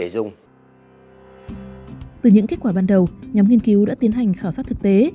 từ những kết quả ban đầu nhóm nghiên cứu đã tiến hành khảo sát thực tế